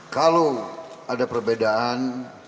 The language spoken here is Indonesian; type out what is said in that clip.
kalau ada perbedaan